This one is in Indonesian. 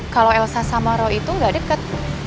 kalau elsa sama roy itu gak deket